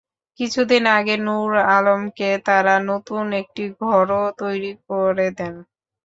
কিছুদিন আগে নূর আলমকে তাঁরা নতুন একটি ঘরও তৈরি করে দেন।